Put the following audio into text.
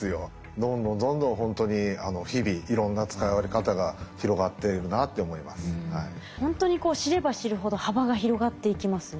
どんどんどんどんほんとに日々ほんとに知れば知るほど幅が広がっていきますね。